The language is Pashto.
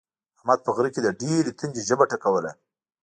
احمد په غره کې له ډېرې تندې ژبه ټکوله.